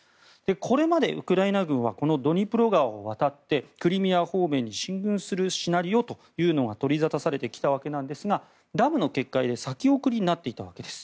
これまでウクライナ軍はこのドニプロ川を渡ってクリミア方面に進軍するシナリオというのが取り沙汰されてきたわけなんですがダムの決壊で先送りになっていたわけです。